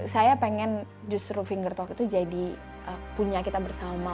saya pengen justru fingertalk itu jadi punya kita bersama